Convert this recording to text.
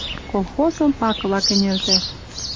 Колхозым пакыла кӹньӹлтӓш...